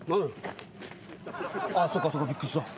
あっそっかそっかびっくりした。